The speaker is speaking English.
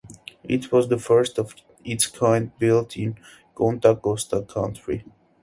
It was the first of its kind built in Contra Costa County.